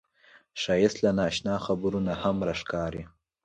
ښایست له نا اشنا خبرو نه هم راښکاري